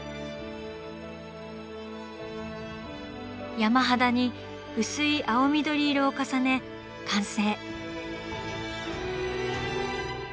山肌に薄い青緑色を重ね完成。